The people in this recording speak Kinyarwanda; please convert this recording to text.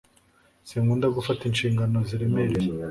sinkunda gufata inshingano ziremereye